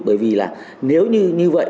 bởi vì là nếu như như vậy